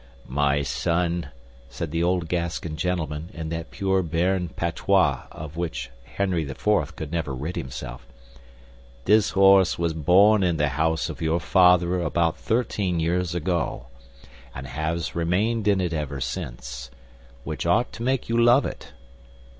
"My son," said the old Gascon gentleman, in that pure Béarn patois of which Henry IV. could never rid himself, "this horse was born in the house of your father about thirteen years ago, and has remained in it ever since, which ought to make you love it.